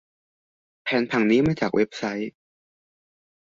แผนผังนี้มาจากเว็บไซต์